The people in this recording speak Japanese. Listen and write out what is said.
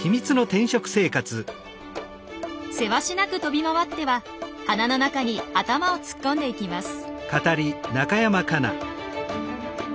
せわしなく飛び回っては花の中に頭を突っ込んでいきます。